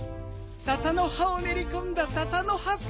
ササのはをねりこんだササのはそば。